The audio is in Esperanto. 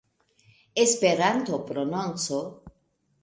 Esperanto-prononco